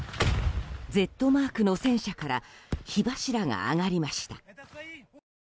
Ｚマークの戦車から火柱が上がりました。